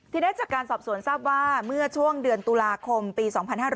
ทีนี้จากการสอบสวนทราบว่าเมื่อช่วงเดือนตุลาคมปี๒๕๕๙